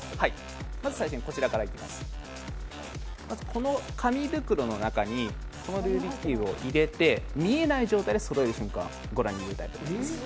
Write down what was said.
この紙袋の中にルービックキューブを入れて見えない状態でそろえる瞬間をご覧に入れます。